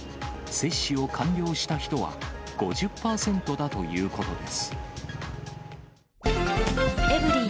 接種を完了した人は５０％だということです。